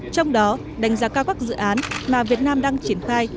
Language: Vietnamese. trong đó đánh giá cao các dự án mà việt nam đang triển khai